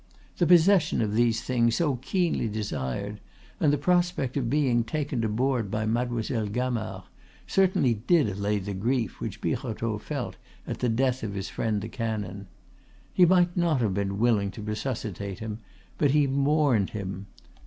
The possession of these things, so keenly desired, and the prospect of being taken to board by Mademoiselle Gamard, certainly did allay the grief which Birotteau felt at the death of his friend the canon. He might not have been willing to resuscitate him; but he mourned him.